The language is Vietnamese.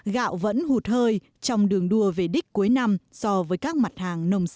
gạo vẫn hụt hơi trong đường đua về đích cuối năm so với các mặt hàng